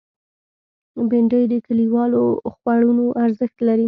بېنډۍ د کلیوالو خوړونو ارزښت لري